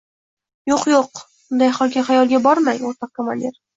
— Yo‘q, yo‘q, unday xayolga bormang, o‘rtoq komandir